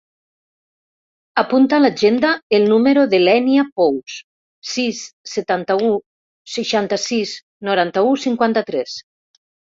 Apunta a l'agenda el número de l'Ènia Pous: sis, setanta-u, seixanta-sis, noranta-u, cinquanta-tres.